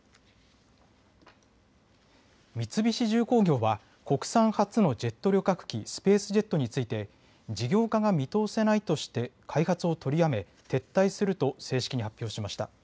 三菱重工業は国産初のジェット旅客機、スペースジェットについて事業化が見通せないとして開発を取りやめ撤退すると正式に発表しました。